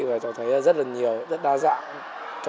và cháu thấy rất là nhiều rất đa dạng